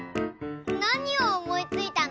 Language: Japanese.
なにをおもいついたの？